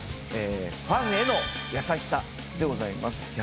ファンへの優しさでございます。